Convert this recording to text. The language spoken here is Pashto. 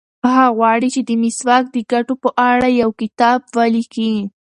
هغه غواړي چې د مسواک د ګټو په اړه یو کتاب ولیکي.